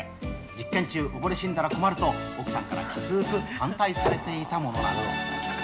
実験中、溺れ死んだら困ると、奥さんからきつく反対されていたものなんだとか。